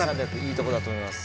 いいとこだと思います